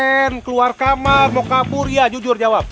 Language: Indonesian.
yang keluar kamar mokapuria jujur jawab